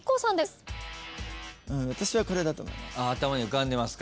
私はこれだと思います。